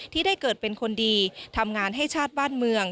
ที่ได้เกิดเป็นคนดีทำงานให้ชาติบ้านเมือง